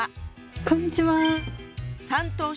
こんにちは。